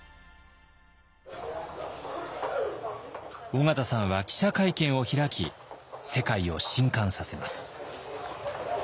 緒方さんは記者会見を開き世界を震撼させます。